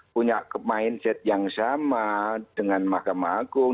punya mindset yang sama dengan mahkamah agung